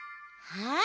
はい！